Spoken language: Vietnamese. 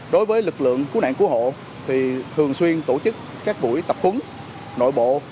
đối với lực lượng cứu nạn cứu hộ thì thường xuyên tổ chức các buổi tập khuấn nội bộ